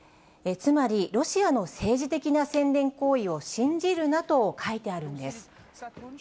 つまり、ロシアの政治的な宣伝行為を信じるなと書いてあるんです。